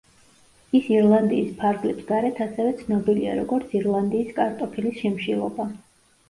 ის ირლანდიის ფარგლებს გარეთ ასევე ცნობილია, როგორც ირლანდიის კარტოფილის შიმშილობა.